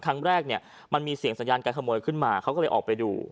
ครั้งแรกเนี่ยมันมีเสียงสัญญาการขโมยขึ้นมาเขาก็เลยออกไปดู